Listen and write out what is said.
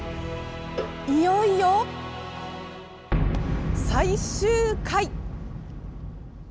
いよいよ最終回。